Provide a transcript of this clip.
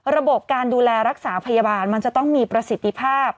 ระบบการดูแลรักษาพยาบาลมันจะต้องมีประสิทธิภาพ